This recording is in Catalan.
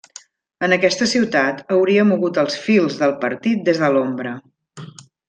En aquesta ciutat hauria mogut els fils del partit des de l'ombra.